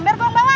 biar gue bawa